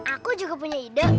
aku juga punya ide